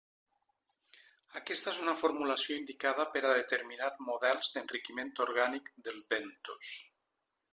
Aquesta és una formulació indicada per a determinar models d'enriquiment orgànic del bentos.